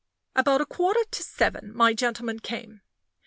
About a quarter to seven my gentleman came.